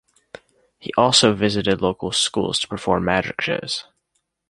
He also visited local schools to perform magic shows.